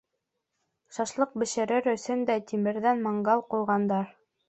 Шашлыҡ бешерер өсөн дә тимерҙән мангал ҡуйғандар.